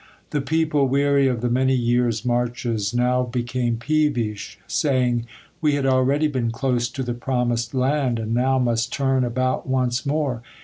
The people, weary of the many years' marches, now became peevish, saying: "We had already been close to the promised land, and now must turn about once more!